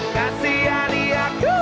kasih hati aku